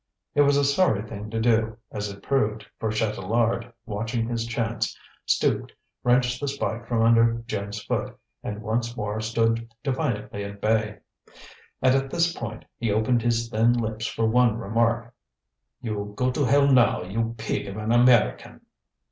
It was a sorry thing to do, as it proved, for Chatelard, watching his chance, stooped, wrenched the spike from under Jim's foot, and once more stood defiantly at bay. And at this point, he opened his thin lips for one remark. "You'll go to hell now, you pig of an American!"